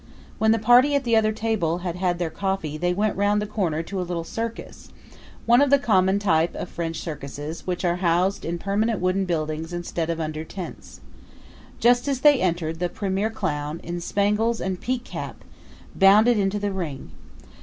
When the party at the other table had had their coffee they went round the corner to a little circus one of the common type of French circuses, which are housed in permanent wooden buildings instead of under tents. Just as they entered, the premier clown, in spangles and peak cap, bounded into the ring.